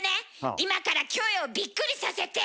今からキョエをビックリさせて。